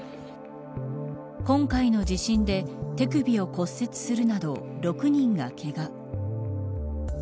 今回の地震で手首を骨折するなど６人がけが。